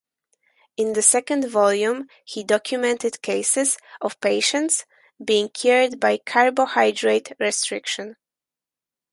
In the second volume he documented cases of patients being cured by carbohydrate restriction.